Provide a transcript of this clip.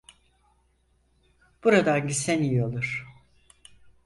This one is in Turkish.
Buradan gitsen iyi olur.